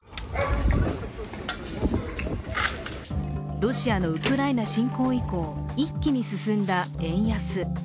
ロシアのウクライナ侵攻以降一気に進んだ円安。